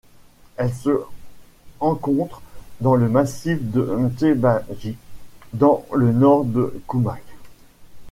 Elle se encontre dans le massif de Tiébaghi dans le nord de Koumac.